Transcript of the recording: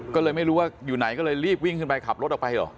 ก็เลยไม่รู้ว่าอยู่ไหนก็เลยรีบวิ่งขึ้นไปขับรถออกไปเหรอ